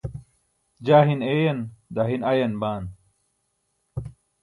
jaa hin eeyan daa hin ayan baan